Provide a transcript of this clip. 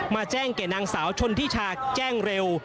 แจ้งแก่นางสาวชนทิชาแจ้งเร็ว